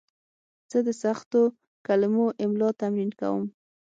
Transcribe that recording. زه د سختو کلمو املا تمرین کوم.